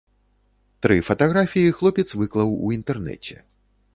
Тры фатаграфіі хлопец выклаў у інтэрнэце.